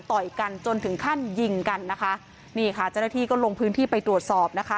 ต่อยกันจนถึงขั้นยิงกันนะคะนี่ค่ะเจ้าหน้าที่ก็ลงพื้นที่ไปตรวจสอบนะคะ